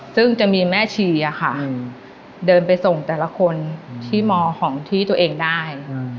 ซึ่งจะมีแม่ชีค่ะเดินไปส่งแต่ละคนที่มของที่ตัวเองได้